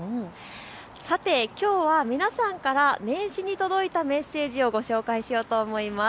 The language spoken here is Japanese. さて、きょうは皆さんから年始に届いたメッセージをご紹介しようと思います。